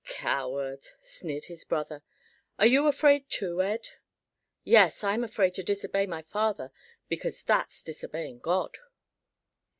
"Coward!" sneered his brother. "Are you afraid too, Ed?" "Yes, I'm afraid to disobey my father; because that's disobeying God."